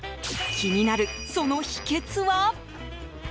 気になる、その秘訣は。